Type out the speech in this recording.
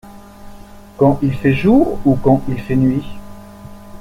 Quand il fait jour ou quand il fait nuit.